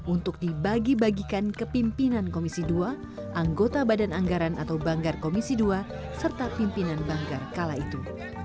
untuk dibagi bagikan ke pimpinan komisi dua anggota badan anggaran atau banggar komisi dua serta pimpinan banggar kala itu